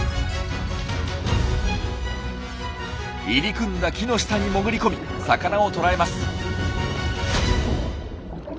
入り組んだ木の下に潜り込み魚を捕らえます。